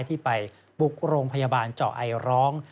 ที่ไปบุกโรงพยาบาลเจาะไอร้อง